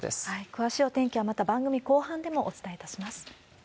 詳しいお天気は、また番組後半でもお伝えいたします。